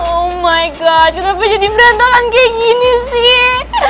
oh my god kenapa jadi berantakan kayak gini sih